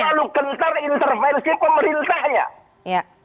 terlalu kental intervensi pemerintahnya